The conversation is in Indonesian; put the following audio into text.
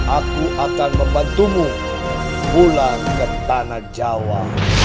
aku akan membantumu pulang ke tanah jawa